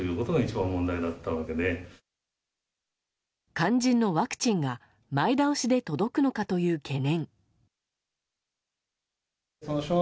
肝心のワクチンが前倒しで届くのかという懸念。